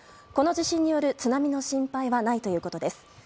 この地震による津波の心配はないということです。